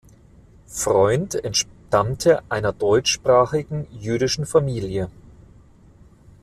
Freund entstammte einer deutschsprachigen jüdischen Familie.